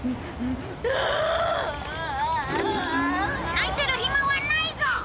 「泣いてるヒマはないぞ！」